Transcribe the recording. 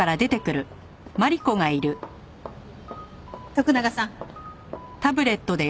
徳永さん。